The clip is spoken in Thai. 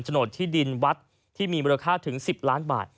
โหนดที่ดินวัดที่มีมูลค่าถึง๑๐ล้านบาท